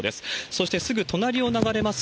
そしてすぐ隣を流れます